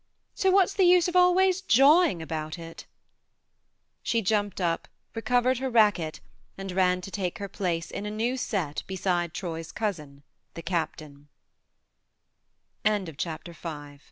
So what's the use of always jawing about it ?" She jumped up, recovered her racket, and ran to take her place in a new set beside Troy's cousin, th